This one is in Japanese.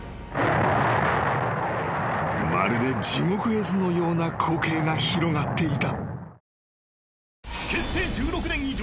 ［まるで地獄絵図のような光景が広がっていた］